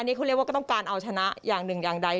นี่เขาเรียกว่าก็ต้องการเอาชนะอย่างหนึ่งอย่างใด